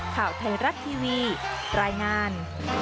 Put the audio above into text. ข่าวไทยรัฐทีวีรายงาน